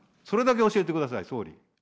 それだけ教えてください、総理。